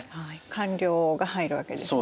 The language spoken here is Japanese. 官僚が入るわけですね。